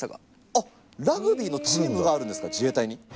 あっ、ラグビーのチームがあるんですか、自衛隊に。